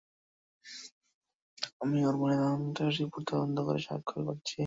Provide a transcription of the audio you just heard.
আমি ওর ময়নাতদন্ত রিপোর্ট তদন্ত করে স্বাক্ষর করেছি।